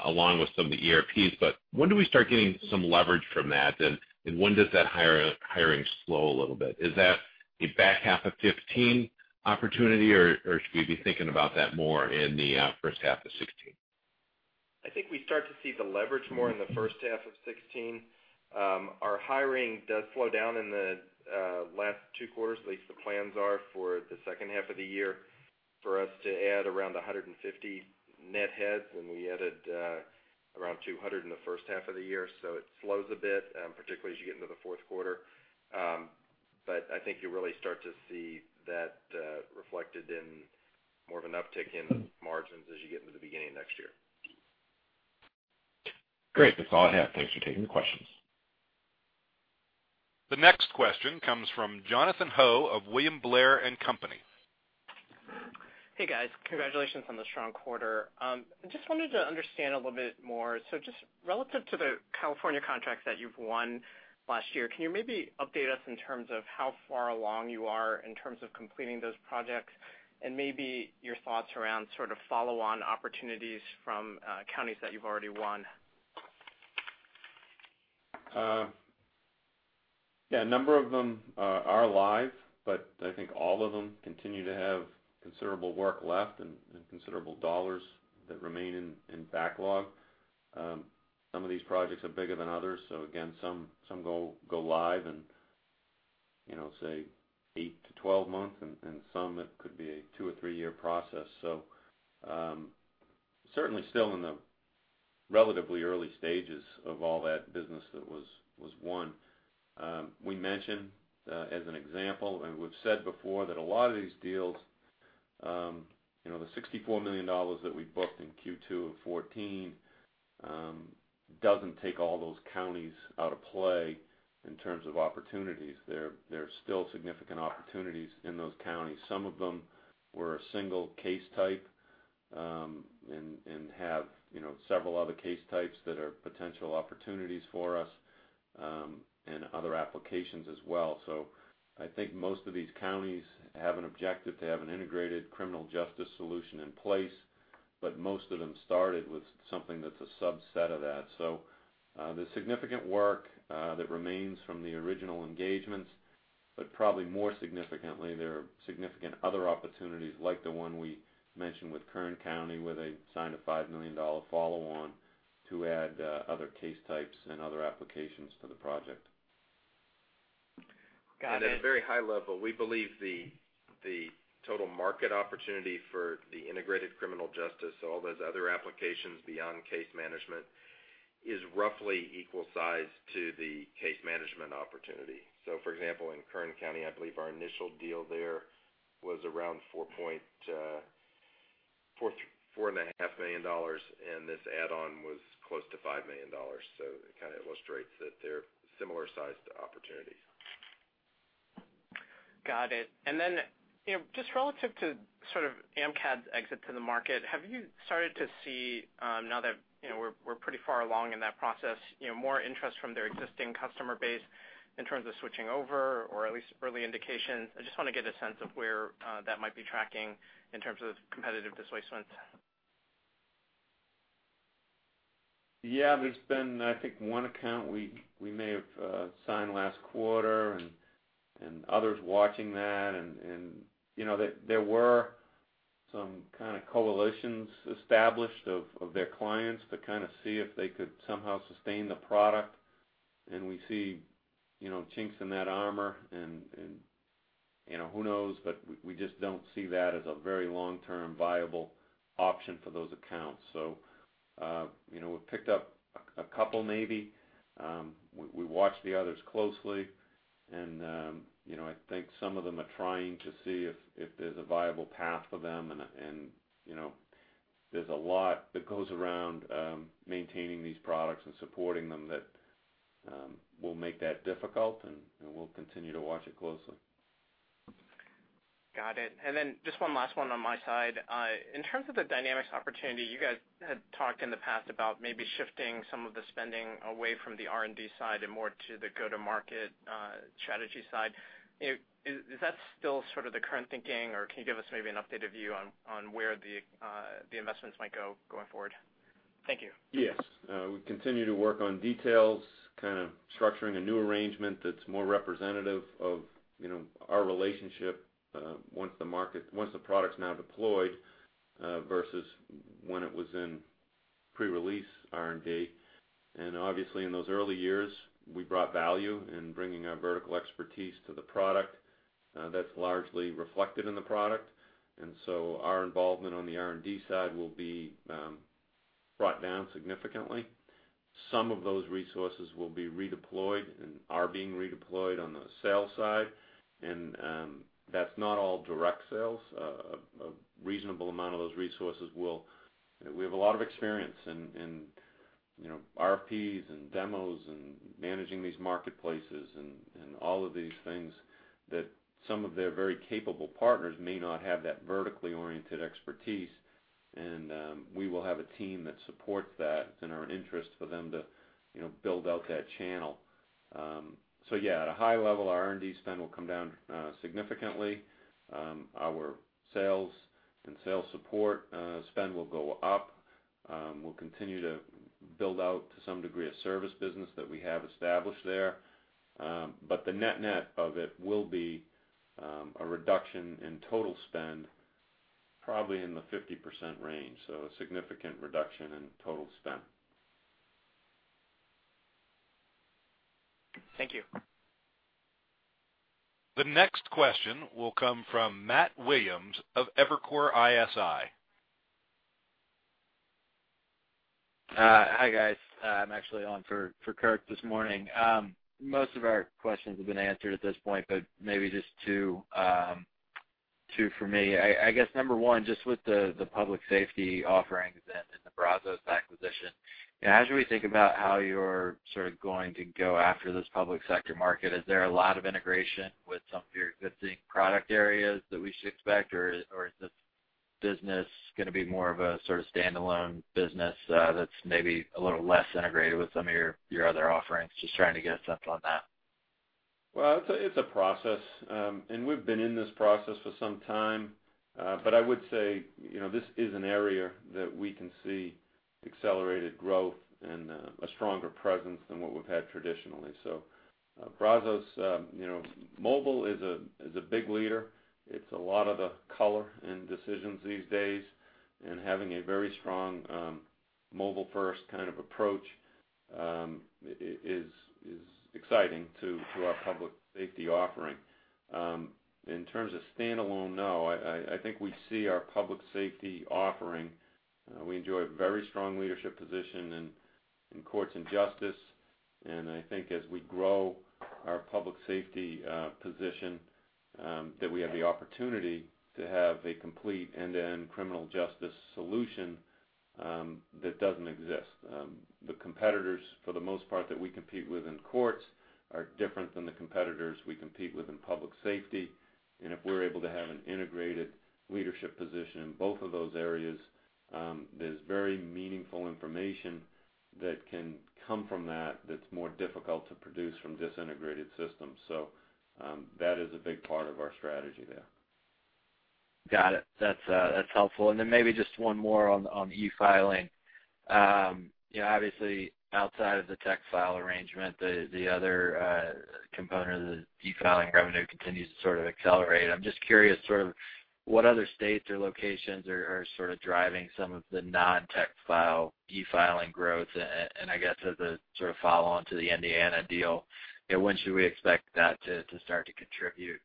along with some of the ERPs. When do we start getting some leverage from that, and when does that hiring slow a little bit? Is that a back half of 2015 opportunity, or should we be thinking about that more in the first half of 2016? I think we start to see the leverage more in the first half of 2016. Our hiring does slow down in the last two quarters. At least the plans are for the second half of the year for us to add around 150 net heads, and we added around 200 in the first half of the year, so it slows a bit, particularly as you get into the fourth quarter. I think you really start to see that reflected in more of an uptick in margins as you get into the beginning of next year. Great. That's all I have. Thanks for taking the questions. The next question comes from Jonathan Ho of William Blair & Company. Hey, guys. Congratulations on the strong quarter. Just wanted to understand a little bit more. Just relative to the California contracts that you've won last year, can you maybe update us in terms of how far along you are in terms of completing those projects and maybe your thoughts around sort of follow-on opportunities from counties that you've already won? Yeah, a number of them are live, but I think all of them continue to have considerable work left and considerable dollars that remain in backlog. Some of these projects are bigger than others. Again, some go live in, say, 8 to 12 months, and some it could be a two or three-year process. Certainly still in the relatively early stages of all that business that was won. We mentioned, as an example, and we've said before that a lot of these deals, the $64 million that we booked in Q2 of 2014, doesn't take all those counties out of play in terms of opportunities. There are still significant opportunities in those counties. Some of them were a single case type, and have several other case types that are potential opportunities for us, and other applications as well. I think most of these counties have an objective to have an integrated criminal justice solution in place, but most of them started with something that's a subset of that. There's significant work that remains from the original engagements, but probably more significantly, there are significant other opportunities like the one we mentioned with Kern County, where they signed a $5 million follow-on to add other case types and other applications to the project. Got it. At a very high level, we believe the total market opportunity for the integrated criminal justice, all those other applications beyond case management, is roughly equal size to the case management opportunity. For example, in Kern County, I believe our initial deal there was around $4.5 million, and this add-on was close to $5 million. It kind of illustrates that they're similar sized opportunities. Got it. Then, just relative to sort of AMCAD's exit to the market, have you started to see, now that we're pretty far along in that process, more interest from their existing customer base in terms of switching over, or at least early indications? I just want to get a sense of where that might be tracking in terms of competitive displacement. Yeah, there's been, I think, one account we may have signed last quarter, and others watching that. There were some kind of coalitions established of their clients to see if they could somehow sustain the product. We see chinks in that armor, and who knows? We just don't see that as a very long-term viable option for those accounts. We've picked up a couple, maybe. We watch the others closely, and I think some of them are trying to see if there's a viable path for them, and there's a lot that goes around maintaining these products and supporting them that will make that difficult, and we'll continue to watch it closely. Got it. Then just one last one on my side. In terms of the Dynamics opportunity, you guys had talked in the past about maybe shifting some of the spending away from the R&D side and more to the go-to-market strategy side. Is that still the current thinking, or can you give us maybe an updated view on where the investments might go going forward? Thank you. Yes. We continue to work on details, kind of structuring a new arrangement that's more representative of our relationship once the product's now deployed versus when it was in pre-release R&D. Obviously, in those early years, we brought value in bringing our vertical expertise to the product. That's largely reflected in the product. So our involvement on the R&D side will be brought down significantly. Some of those resources will be redeployed and are being redeployed on the sales side, and that's not all direct sales. A reasonable amount of those resources will have a lot of experience in RFPs and demos and managing these marketplaces and all of these things that some of their very capable partners may not have that vertically oriented expertise. We will have a team that supports that in our interest for them to build out that channel. Yeah, at a high level, our R&D spend will come down significantly. Our sales and sales support spend will go up. We'll continue to build out to some degree, a service business that we have established there. The net of it will be a reduction in total spend, probably in the 50% range, so a significant reduction in total spend. Thank you. The next question will come from Matthew Williams of Evercore ISI. Hi, guys. I'm actually on for Kurt this morning. Most of our questions have been answered at this point, maybe just two for me. I guess, number 1, just with the public safety offerings and the Brazos acquisition, as we think about how you're sort of going to go after this public sector market, is there a lot of integration with some of your existing product areas that we should expect, or is this business going to be more of a sort of standalone business that's maybe a little less integrated with some of your other offerings? Just trying to get a sense on that. Well, it's a process. We've been in this process for some time. I would say, this is an area that we can see accelerated growth and a stronger presence than what we've had traditionally. Brazos, mobile is a big leader. It's a lot of the color in decisions these days, and having a very strong mobile-first kind of approach is exciting to our public safety offering. In terms of standalone, no. I think we see our public safety offering. We enjoy a very strong leadership position in courts and justice, and I think as we grow our public safety position, that we have the opportunity to have a complete end-to-end criminal justice solution that doesn't exist. The competitors, for the most part, that we compete with in courts are different than the competitors we compete with in public safety, and if we're able to have an integrated leadership position in both of those areas, there's very meaningful information that can come from that's more difficult to produce from disintegrated systems. That is a big part of our strategy there. Got it. That's helpful. Maybe just 1 more on e-filing. Obviously, outside of the eFile arrangement, the other component of the e-filing revenue continues to sort of accelerate. I'm just curious, what other states or locations are driving some of the non-eFile e-filing growth? I guess, as a sort of follow-on to the Indiana deal, when should we expect that to start to contribute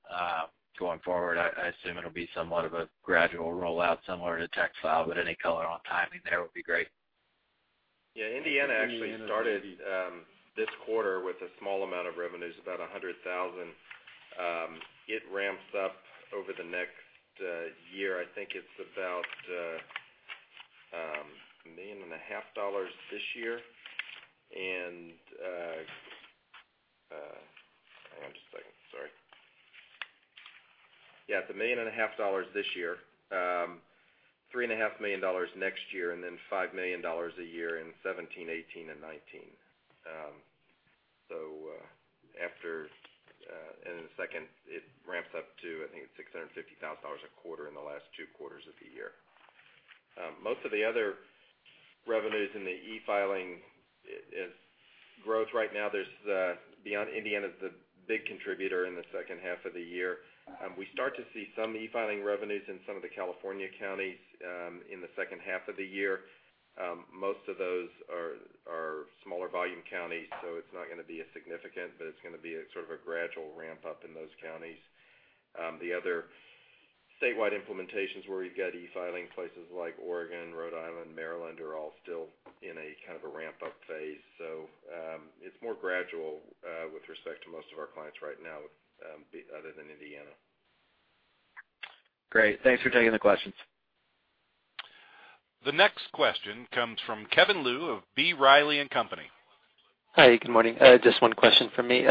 going forward? I assume it'll be somewhat of a gradual rollout, similar to eFile, any color on timing there would be great. Yeah. Indiana actually started this quarter with a small amount of revenues, about $100,000. It ramps up over the next year. I think it's about $1.5 million this year and Hang on just a second. Sorry. Yeah. It's $1.5 million this year, $3.5 million next year, and then $5 million a year in 2017, 2018, and 2019. Second, it ramps up to, I think, $650,000 a quarter in the last two quarters of the year. Most of the other revenues in the e-filing is growth right now. Beyond Indiana is the big contributor in the second half of the year. We start to see some e-filing revenues in some of the California counties, in the second half of the year. Most of those are smaller volume counties, so it's not going to be as significant, but it's going to be a gradual ramp-up in those counties. The other statewide implementations where you've got e-filing, places like Oregon, Rhode Island, Maryland, are all still in a ramp-up phase. It's more gradual, with respect to most of our clients right now, other than Indiana. Great. Thanks for taking the questions. The next question comes from Kevin Liu of B. Riley & Co.. Hi, good morning. Just one question from me.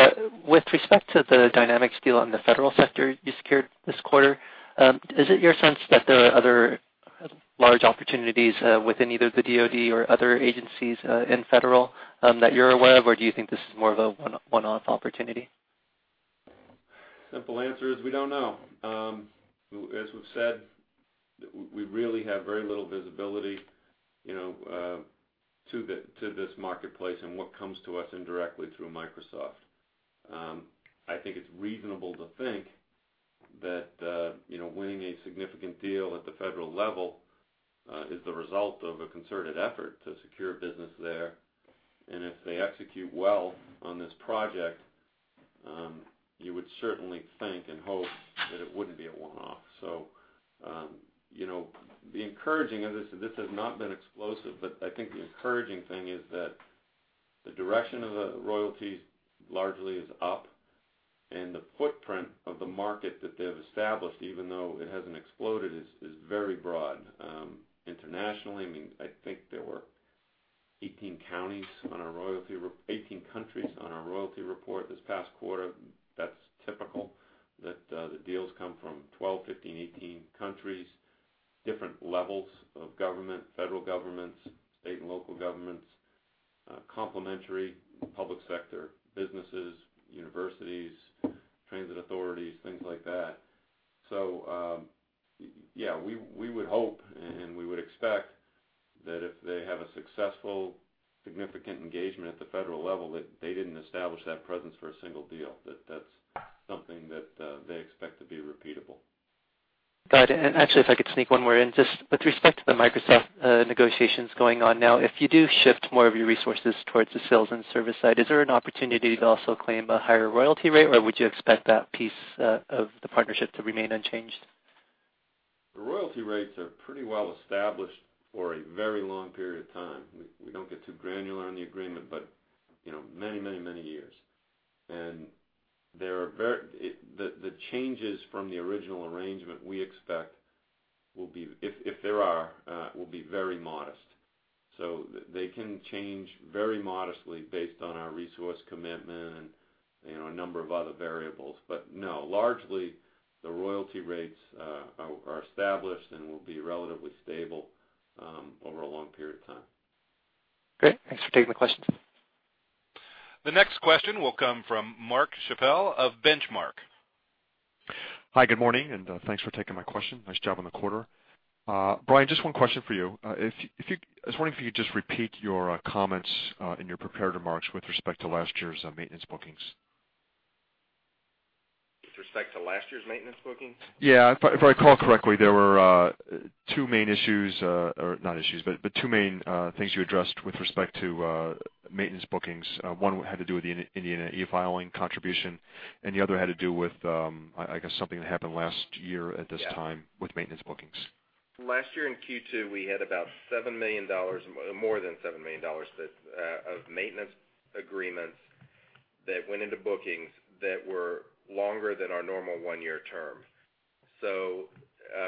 With respect to the Dynamics deal on the federal sector you secured this quarter, is it your sense that there are other large opportunities within either the DoD or other agencies in federal that you're aware of, or do you think this is more of a one-off opportunity? Simple answer is we don't know. As we've said, we really have very little visibility to this marketplace and what comes to us indirectly through Microsoft. I think it's reasonable to think that winning a significant deal at the federal level is the result of a concerted effort to secure business there. If they execute well on this project, you would certainly think and hope that it wouldn't be a one-off. The encouraging, and this has not been explosive, but I think the encouraging thing is that the direction of the royalties largely is up, and the footprint of the market that they've established, even though it hasn't exploded, is very broad. Internationally, I think there were 18 countries on our royalty report this past quarter. That's typical, that the deals come from 12, 15, 18 countries, different levels of government, federal governments, state and local governments, complementary public sector businesses, universities, transit authorities, things like that. Yeah, we would hope and we would expect that if they have a successful, significant engagement at the federal level, that they didn't establish that presence for a single deal, that that's something that they expect to be repeatable. Got it. Actually, if I could sneak one more in. Just with respect to the Microsoft negotiations going on now, if you do shift more of your resources towards the sales and service side, is there an opportunity to also claim a higher royalty rate, or would you expect that piece of the partnership to remain unchanged? The royalty rates are pretty well established for a very long period of time. We don't get too granular on the agreement, but many years. The changes from the original arrangement, we expect, if there are, will be very modest. They can change very modestly based on our resource commitment and a number of other variables. No, largely the royalty rates are established and will be relatively stable, over a long period of time. Great. Thanks for taking the questions. The next question will come from Mark Chappell of Benchmark. Hi, good morning, and thanks for taking my question. Nice job on the quarter. Brian, just one question for you. I was wondering if you could just repeat your comments in your prepared remarks with respect to last year's maintenance bookings. With respect to last year's maintenance bookings? Yeah. If I recall correctly, there were two main issues, or not issues, but two main things you addressed with respect to maintenance bookings. One had to do with the Indiana e-filing contribution, the other had to do with, I guess, something that happened last year at this time. Yeah with maintenance bookings. Last year in Q2, we had about more than $7 million of maintenance agreements that went into bookings that were longer than our normal one-year term.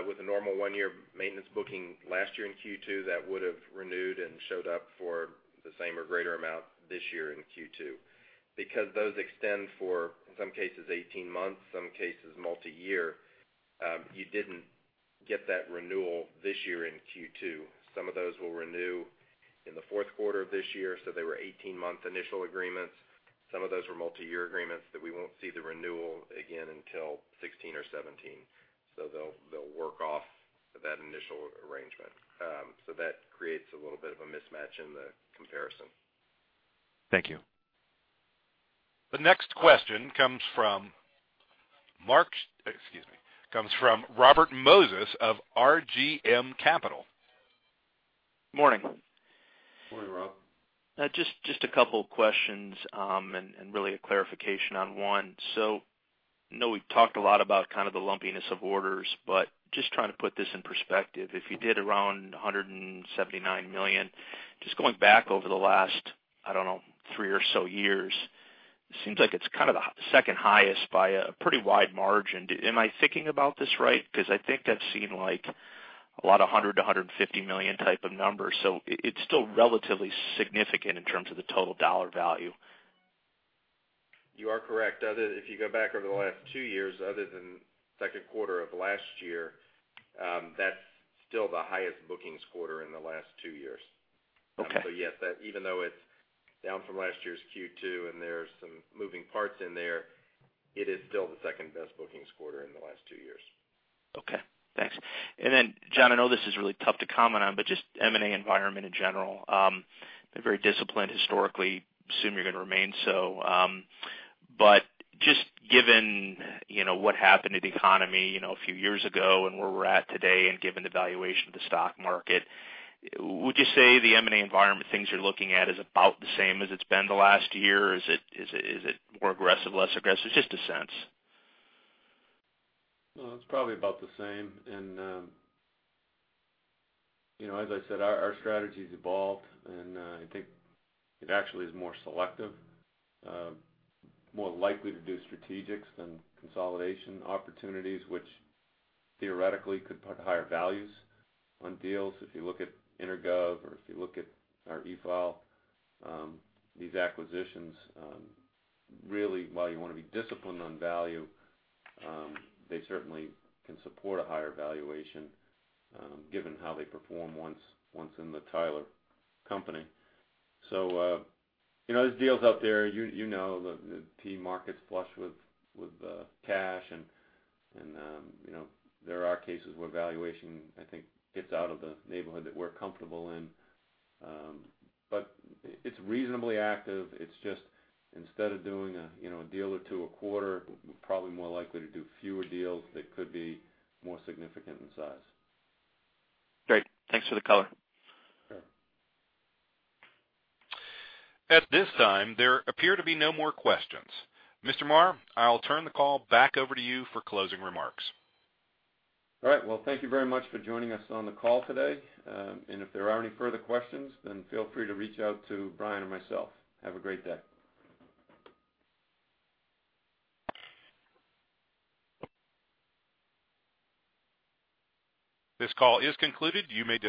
With a normal one-year maintenance booking last year in Q2, that would have renewed and showed up for the same or greater amount this year in Q2. Those extend for, in some cases, 18 months, some cases multi-year, you didn't get that renewal this year in Q2. Some of those will renew in the fourth quarter of this year, they were 18-month initial agreements. Some of those were multi-year agreements that we won't see the renewal again until 2016 or 2017. They'll work off that initial arrangement. That creates a little bit of a mismatch in the comparison. Thank you. The next question comes from Robert Moses of RGM Capital. Morning. Morning, Rob. Just a couple of questions, and really a clarification on one. I know we've talked a lot about the lumpiness of orders, but just trying to put this in perspective. If you did around $179 million, just going back over the last, I don't know, three or so years, it seems like it's the second highest by a pretty wide margin. Am I thinking about this right? Because I think I've seen a lot of $100 million-$150 million type of numbers. It's still relatively significant in terms of the total dollar value. You are correct. If you go back over the last two years, other than second quarter of last year, that's still the highest bookings quarter in the last two years. Okay Yes, even though it's down from last year's Q2, and there's some moving parts in there, it is still the second-best bookings quarter in the last two years. Okay, thanks. John, I know this is really tough to comment on, but just M&A environment in general. Been very disciplined historically. Assume you're going to remain so. Just given what happened to the economy a few years ago and where we're at today, and given the valuation of the stock market, would you say the M&A environment things you're looking at is about the same as it's been the last year? Is it more aggressive, less aggressive? Just a sense. Well, it's probably about the same. As I said, our strategy's evolved, and I think it actually is more selective, more likely to do strategics than consolidation opportunities, which theoretically could put higher values on deals. If you look at EnerGov or if you look at our eFile, these acquisitions, really, while you want to be disciplined on value, they certainly can support a higher valuation given how they perform once in the Tyler company. There's deals out there, you know the PE market's flush with cash and there are cases where valuation, I think, gets out of the neighborhood that we're comfortable in. It's reasonably active. It's just instead of doing a deal or two a quarter, we're probably more likely to do fewer deals that could be more significant in size. Great. Thanks for the color. Sure. At this time, there appear to be no more questions. Mr. Marr, I'll turn the call back over to you for closing remarks. All right. Well, thank you very much for joining us on the call today. If there are any further questions, feel free to reach out to Brian or myself. Have a great day. This call is concluded. You may disconnect.